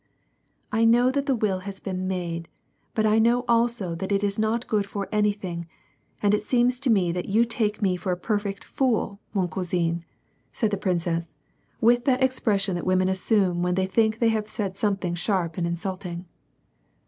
'' I know that the will has been made, but I know also that it is not good for anything, and it seems to me that you take lue for a perfect fool, vion cotisin" said the princess, with that expression that women assume when they think they have said something sharp and insulting.